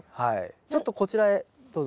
ちょっとこちらへどうぞ。